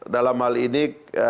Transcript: dalam hal ini